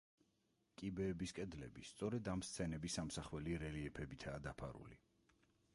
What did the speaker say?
კიბეების კედლები სწორედ ამ სცენების ამსახველი რელიეფებითაა დაფარული.